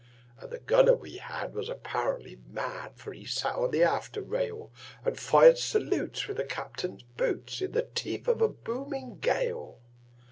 And the gunner we had was apparently mad, For he sat on the after rail, And fired salutes with the captain's boots, In the teeth of the booming gale.